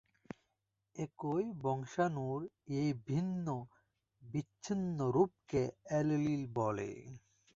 একই বংশাণুর এই ভিন্ন, বিছিন্ন রূপকে অ্যালিল বলে।